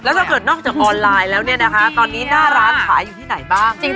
ถ้าเกิดนอกจากออนไลน์แล้วเนี่ยนะคะตอนนี้หน้าร้านขายอยู่ที่ไหนบ้าง